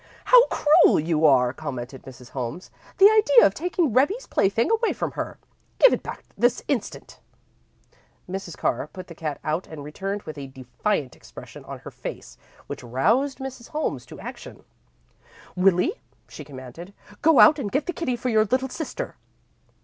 "How cruel you are!" commented Mrs. Holmes. "The idea of taking Rebbie's plaything away from her! Give it back this instant!" Mrs. Carr put the cat out and returned with a defiant expression on her face, which roused Mrs. Holmes to action. "Willie," she commanded, "go out and get the kitty for your little sister.